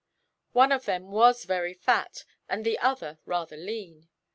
One of them was very fat and the other rather lean.